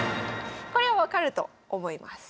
これは分かると思います。